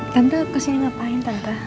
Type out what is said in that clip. tante kesini ngapain tante